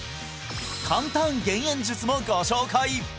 簡単減塩術もご紹介！